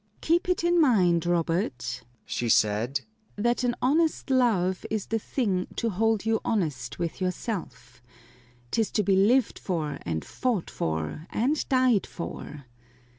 "Keep it in mind, Robert," she said, "that an honest love is the thing to hold you honest with yourself. 'Tis to be lived for, and fought for, and died for.